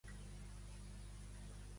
Què va fer Eritarses amb Esmicre?